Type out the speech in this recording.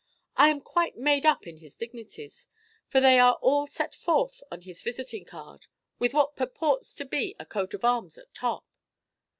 I am quite 'made up' in his dignities, for they are all set forth on his visiting card with what purports to be a coat of arms at top."